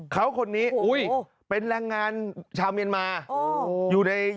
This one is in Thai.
เขาคนนี้เป็นแรงงานชาวเมียนมาอยู่ใน